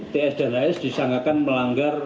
ts dan hs disangkakan melanggar